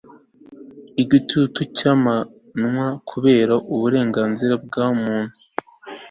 igitugu cyamaganwe kubera uburenganzira bwa muntu